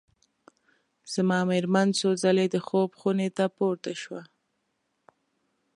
زما مېرمن څو ځلي د خوب خونې ته پورته شوه.